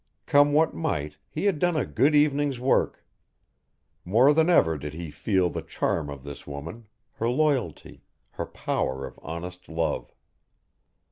Come what might he had done a good evening's work. More than ever did he feel the charm of this woman, her loyalty, her power of honest love.